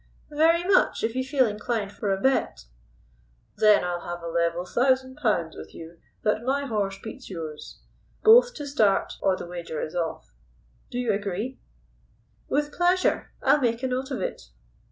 "Very much, if you feel inclined for a bet." "Then I'll have a level thousand pounds with you that my horse beats yours. Both to start or the wager is off. Do you agree?" "With pleasure. I'll make a note of it."